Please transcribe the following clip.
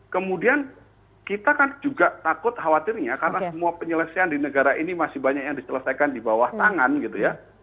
kemudian kita kan juga takut khawatirnya karena semua penyelesaian di negara ini masih banyak yang diselesaikan di bawah tangan gitu ya